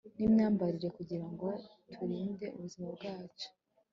n'imyambarire kugira ngo turinde ubuzima bwacu